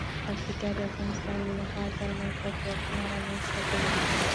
پکتیکا د افغانستان د ناحیو ترمنځ تفاوتونه رامنځ ته کوي.